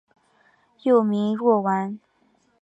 幼名若丸。